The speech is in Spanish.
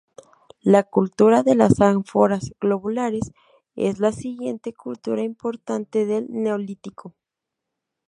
La cultura de las ánforas globulares es la siguiente cultura importante del Neolítico.